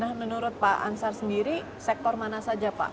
nah menurut pak ansar sendiri sektor mana saja pak